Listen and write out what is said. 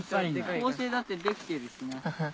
構成だってできてるしな。